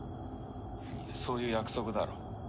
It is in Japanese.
「いやそういう約束だろ」